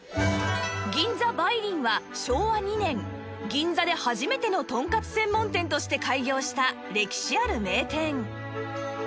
銀座梅林は昭和２年銀座で初めてのとんかつ専門店として開業した歴史ある名店